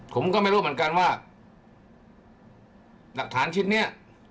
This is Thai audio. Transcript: ผมก็ไม่รู้เหมือนกันว่าหลักฐานชิ้นนี้